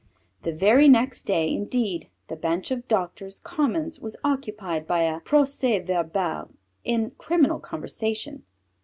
The very next day, indeed, the bench of Doctors' Commons was occupied by a procès verbal in criminal conversation.